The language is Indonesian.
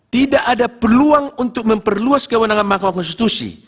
tidak ada peluang untuk memperluas kewenangan mahkamah konstitusi